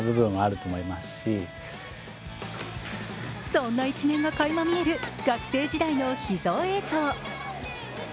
そんな一面がかいま見える学生時代の秘蔵映像。